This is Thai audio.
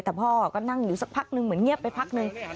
แต่พ่อก็นั่งอยู่สักพักนึงเหมือนเงียบไปพักนึง